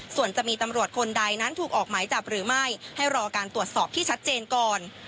ส่วนจะมีตำรวจคนใดนั้นถูกออกหมายจับหรือไม่ให้รอการตรวจสอบที่ชัดเจนก่อน